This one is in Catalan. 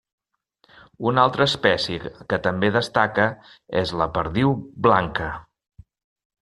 Una altra espècie que també destaca és la perdiu blanca.